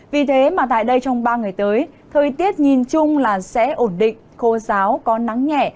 vì thế mà tại đây trong ba ngày tới thời tiết nhìn chung là sẽ ổn định khô giáo có nắng nhẹ